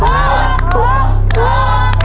เกิดแบบที่๕